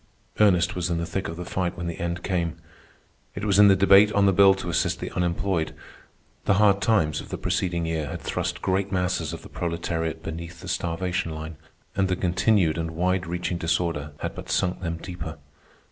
Ernest was in the thick of the fight when the end came. It was in the debate on the bill to assist the unemployed. The hard times of the preceding year had thrust great masses of the proletariat beneath the starvation line, and the continued and wide reaching disorder had but sunk them deeper.